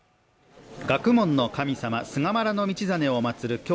学問の神様、菅原道真を祭る